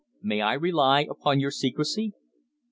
May I rely upon your secrecy?"